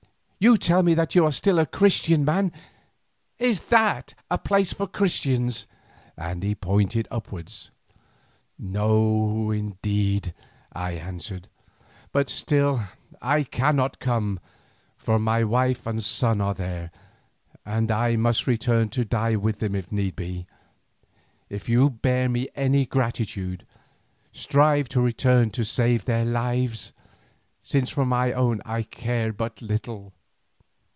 You tell me that you are still a Christian man. Is that a place for Christians?" and he pointed upwards. "No, indeed," I answered, "but still I cannot come, for my wife and son are there, and I must return to die with them if need be. If you bear me any gratitude, strive in return to save their lives, since for my own I care but little."